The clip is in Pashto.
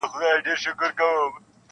ستا او ورور تر مابین ډېره فاصله ده-